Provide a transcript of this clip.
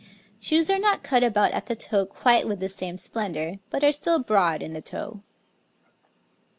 Shoes are not cut about at the toe quite with the same splendour, but are still broad in the toe.